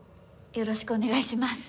よろしくお願いします。